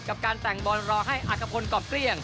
กับการแต่งบอลรอให้อัตภพลกรอบเกลี้ยง